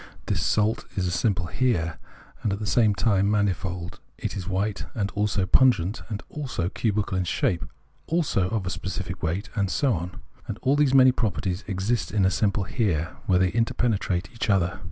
This salt is a simple Here and at the same time manifold : it is white, and also pungent, also cubical in shape, also of a specific weight, and so on. All these many properties exist in a simple Here, where they inter penetrate each other.